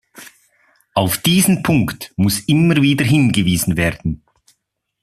Auf diesen Punkt muss immer wieder hingewiesen werden.